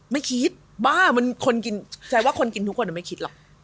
ไม่คิดบ้าแล้วแสดงว่าทุกคนกินทุกสินคิดไม่หรอก